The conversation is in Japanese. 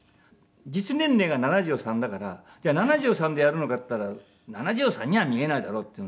実年齢が７３だからじゃあ７３でやるのかっつったら７３には見えないだろうっていうんでね。